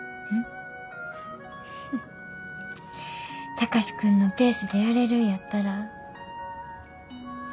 貴司君のペースでやれるんやったらええな。